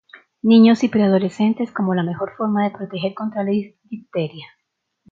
niños y preadolescentes como la mejor forma de proteger contra la difteria